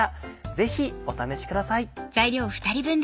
ぜひお試しください。